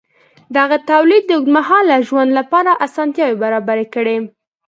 دغه تولید د اوږدمهاله ژوند لپاره اسانتیاوې برابرې کړې.